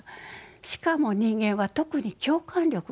しかも人間は特に共感力が強い。